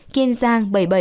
kiên giang bảy mươi bảy